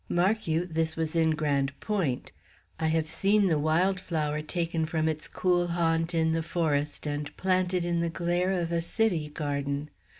Mark you, this was in Grande Pointe. I have seen the wild flower taken from its cool haunt in the forest, and planted in the glare of a city garden.